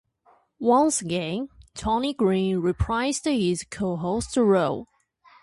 Once again, Tony Green reprised his co-host role.